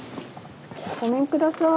ごめんください。